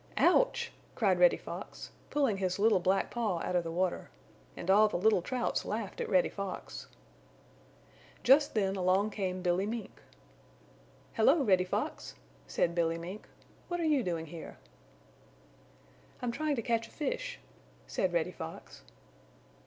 "Ouch!" cried Reddy Fox, pulling his little black paw out of the water. And all the little Trouts laughed at Reddy Fox. Just then along came Billy Mink. "Hello, Reddy Fox!" said Billy Mink. "What are you doing here?" "I'm trying to catch a fish," said Reddy Fox.